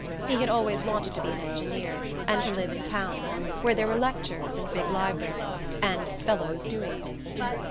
He had always wanted to be an engineer, and to live in towns, where there were lectures and big libraries and "fellows doing things."